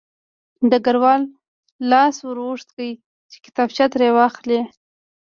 ډګروال لاس ور اوږد کړ چې کتابچه ترې راواخلي